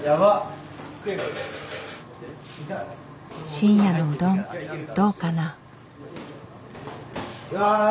深夜のうどんどうかな？